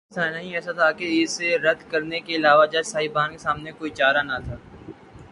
لیکن افسانہ ہی ایسا تھا کہ اسے رد کرنے کے علاوہ جج صاحبان کے سامنے کوئی چارہ نہ تھا۔